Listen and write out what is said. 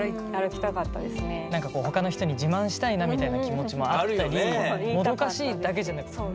他の人に自慢したいなみたいな気持ちもあったりもどかしいだけじゃなく。